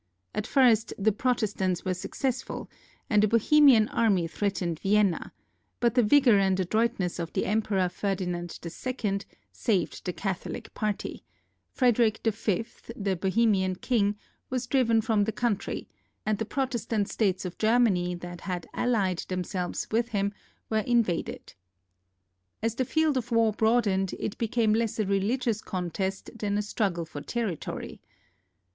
At first the Protestants were successful and a Bohemian army threatened Vienna, but the vigor and adroitness of the Emperor, Ferdinand II, saved the CathoHc party; Frederick V, the Bohemian King, was driven from the country, and the Protestant states of Germany that had allied themselves with him were invaded. As the field of war broadened, it became less a religious con test than a struggle for territory.